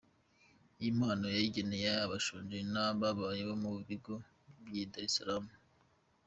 Iyi mpano yayigeneye abashonji n’abababaye bo mu bigo by’i Dar Es Salam.